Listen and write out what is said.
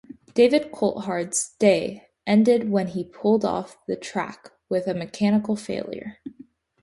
David Coulthard's day ended when he pulled off the track with a mechanical failure.